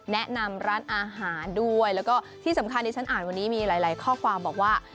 แนะนำร้านอาหารด้วยแล้วก็ที่สำคัญที่ฉันอ่านวันนี้มีหลายข้อความบอกว่า